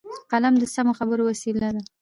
قلم د سمو خبرو وسیله ده